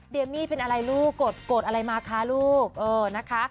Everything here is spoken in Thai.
เมมี่เป็นอะไรลูกโกรธอะไรมาคะลูกเออนะคะ